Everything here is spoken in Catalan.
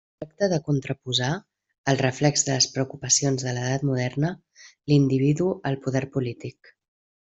Tracta de contraposar, al reflex de les preocupacions de l'Edat Moderna, l'individu al poder polític.